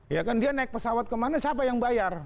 ya kan dia naik pesawat kemana siapa yang bayar